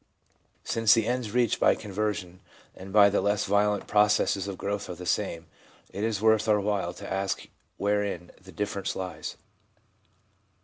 Since the ends reached by conversion and by the less violent processes of growth are the same, it is worth our while to ask wherein the real difference lies.